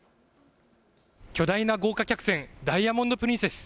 巨大な豪華客船、ダイヤモンド・プリンセス。